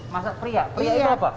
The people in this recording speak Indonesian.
masa pria pria itu apa